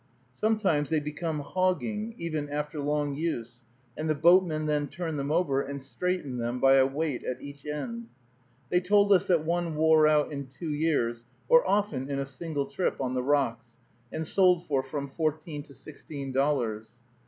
Sometimes they become "hogging" even, after long use, and the boatmen then turn them over and straighten them by a weight at each end. They told us that one wore out in two years, or often in a single trip, on the rocks, and sold for from fourteen to sixteen dollars.